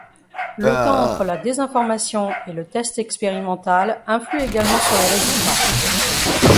Le temps entre la désinformation et le test expérimental influe également sur les résultats.